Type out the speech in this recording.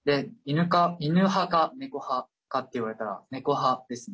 犬派か猫派かって言われたら猫派です。